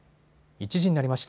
１時になりました。